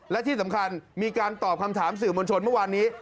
และที่สำคัญมีการตอบคำถามสื่อมวลชนเมื่อวานนี้